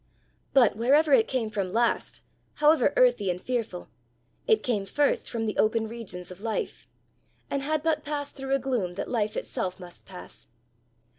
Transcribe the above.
But, wherever it came from last, however earthy and fearful, it came first from the open regions of life, and had but passed through a gloom that life itself must pass!